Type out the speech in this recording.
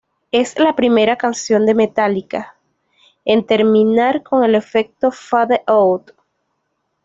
Es la primera canción de Metallica en terminar con el efecto "fade out".